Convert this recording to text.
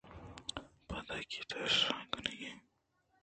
پدا کہ در اِش کن ئے